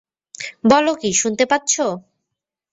বল কি শুনতে পাচ্ছ।